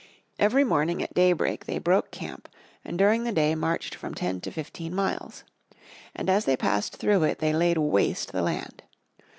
Every morning at daybreak they broke camp and during the day marched from ten to fifteen miles. And as they passed through it they laid waste the land.